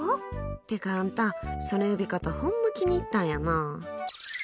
てかあんた、その呼び方ほんま、気に入ったんやなあ。